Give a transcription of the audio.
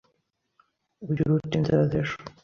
ugira uti nzaza ejo